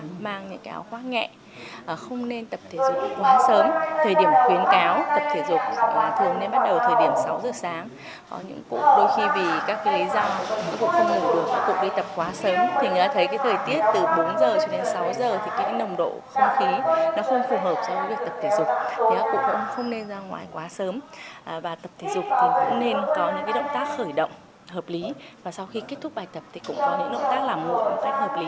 các cụ nên mang áo khoác nghẹ không nên tập thể dục quá sớm thời điểm khuyến cáo tập thể dục là thường nên bắt đầu thời điểm sáu giờ sáng có những cụ đôi khi vì các lý do các cụ không ngủ được các cụ đi tập quá sớm thì người ta thấy thời tiết từ bốn giờ cho đến sáu giờ thì cái nồng độ không khí nó không phù hợp với việc tập thể dục thì các cụ cũng không nên ra ngoài quá sớm và tập thể dục cũng nên có những động tác khởi động hợp lý và sau khi kết thúc bài tập thì cũng có những động tác làm ngủ một cách hợp lý